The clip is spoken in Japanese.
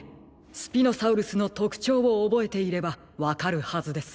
スピノサウルスのとくちょうをおぼえていればわかるはずです。